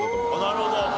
なるほど。